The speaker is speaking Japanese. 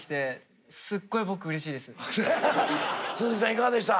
いかがでした？